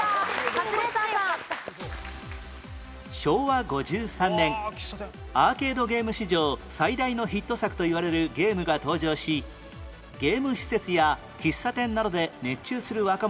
昭和５３年アーケードゲーム史上最大のヒット作といわれるゲームが登場しゲーム施設や喫茶店などで熱中する若者が急増